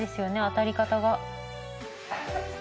当たり方が。